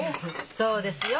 そうですよ。